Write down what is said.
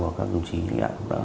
và các đồng chí đã